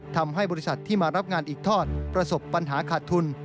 ทำให้บริษัทที่มารับงานอีกทอดประสบปัญหาขาดทุน